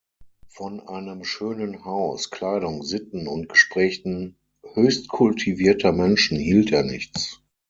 Von einem schönen Haus, Kleidung, Sitten und Gesprächen höchst kultivierter Menschen hielt er nichts.